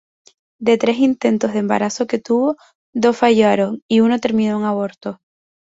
De tres intentos de embarazo que tuvo, dos fallaron y uno terminó en aborto.